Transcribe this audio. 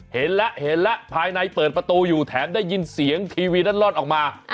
เห็นแล้วเห็นแล้วภายในเปิดประตูอยู่แถมได้ยินเสียงทีวีนั้นรอดออกมา